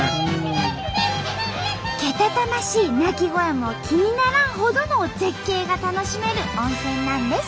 けたたましい鳴き声も気にならんほどの絶景が楽しめる温泉なんです。